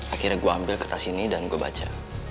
akhirnya gue ambil kertas ini dan gue baca